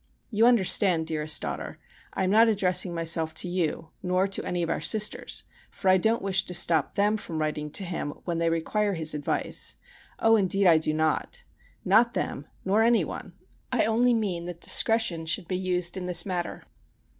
You understand, dearest daughter, I am not addressing myself to you, nor to any of our Sisters, for I don't wish to stop them from writing to him when they require his advice. Oh, indeed I do not! not them, nor any one. I only mean that discretion should be used in this matter.